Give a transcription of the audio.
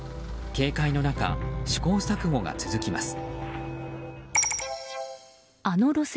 警戒の中、試行錯誤が続きます。